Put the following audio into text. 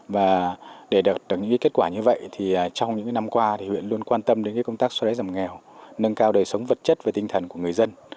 và để đạt được những kết quả như vậy thì trong những năm qua huyện luôn quan tâm đến công tác xóa lấy giảm nghèo nâng cao đời sống vật chất và tinh thần của người dân